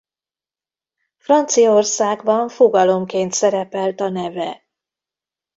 Franciaországban fogalomként szerepelt a neve.